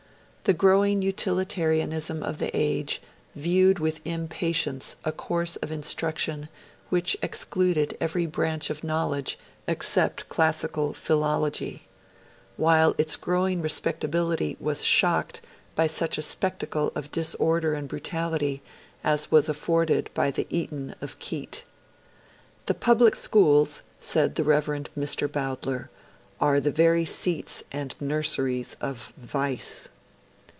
The growing utilitarianism of the age viewed with impatience a course of instruction which excluded every branch of knowledge except classical philology; while its growing respectability was shocked by such a spectacle of disorder and brutality as was afforded by the Eton of Keate. 'The public schools,' said the Rev. Mr. Bowdler, 'are the very seats and nurseries of vice.'